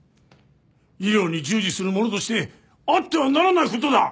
医療に従事する者としてあってはならない事だ！